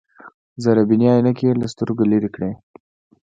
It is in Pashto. ذره بيني عينکې يې له سترګو لرې کړې.